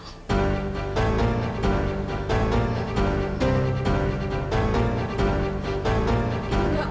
tentu saja dia tuh bongkong